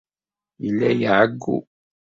Yella iɛeyyu.